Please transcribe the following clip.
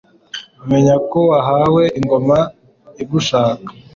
Menya ko wahawe ingoma igushaka